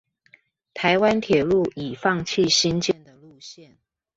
臺灣鐵路已放棄興建的路線